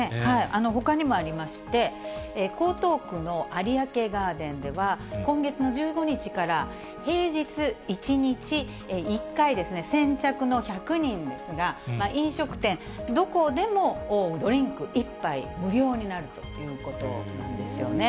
ほかにもありまして、江東区の有明ガーデンでは、今月の１５日から平日１日１回、先着の１００人ですが、飲食店どこでもドリンク１杯無料になるということなんですよね。